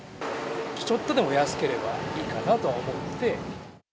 ちょっとでも安ければいいかなとは思って。